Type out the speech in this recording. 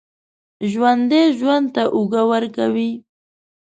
ژوندي ژوند ته اوږه ورکوي